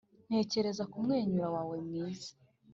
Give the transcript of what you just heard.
ntekereza kumwenyura wawe mwiza